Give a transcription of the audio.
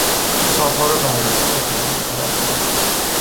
حسابها را بررسی و تعدیل کردن